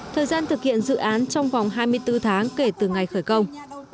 thời gian thực hiện dự án trong vòng hai mươi bốn tháng kể từ ngày khởi công